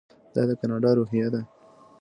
دا د کاناډا روحیه ده.